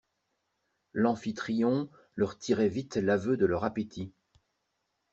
L'amphitryon leur tirait vite l'aveu de leur appétit.